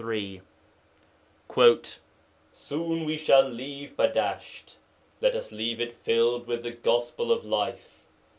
] 'ALI 'Soon we shall leave Badasht: let us leave it filled with the Gospel of life!